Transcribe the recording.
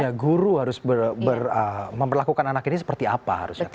ya guru harus memperlakukan anak ini seperti apa harusnya